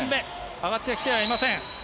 上がってはきてはいません。